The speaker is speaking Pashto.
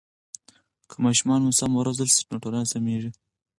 که ماشومان سم و روزل سي نو ټولنه سمیږي.